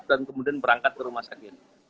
dan kemudian berangkat ke rumah sakit